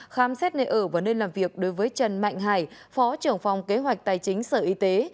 khám xét nơi ở và nơi làm việc đối với trần mạnh hải phó trưởng phòng kế hoạch tài chính sở y tế